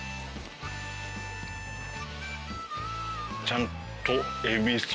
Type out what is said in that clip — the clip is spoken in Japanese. ちゃんと。